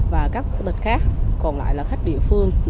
và các bệnh khác còn lại là khách địa phương